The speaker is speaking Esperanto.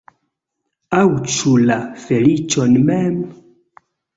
Aŭ ĉu la feliĉon mem?